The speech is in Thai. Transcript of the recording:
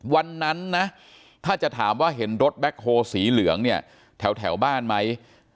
วันนั้นนะถ้าจะถามว่าเห็นรถแบ็คโฮสีเหลืองเนี่ยแถวบ้านไหม